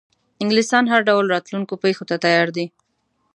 انګلیسیان هر ډول راتلونکو پیښو ته تیار دي.